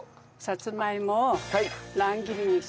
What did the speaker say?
さつまいもを乱切りにします。